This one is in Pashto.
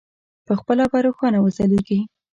پخپله به روښانه وځلېږي.